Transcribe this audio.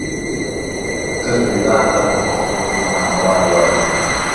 ګرويدار ته په پښتو کې ګاڼهوال وایي.